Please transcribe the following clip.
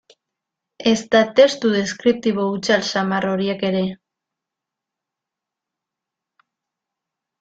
Ezta testu deskriptibo hutsal samar horiek ere.